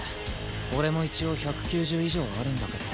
俺も一応１９０以上あるんだけど。